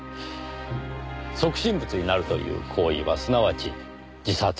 即身仏になるという行為はすなわち自殺。